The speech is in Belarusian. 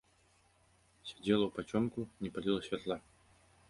Сядзела ўпацёмку, не паліла святла.